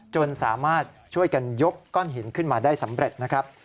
จนสามารถช่วยกันยกก้อนหินขึ้นมาได้สำเร็จนะครับ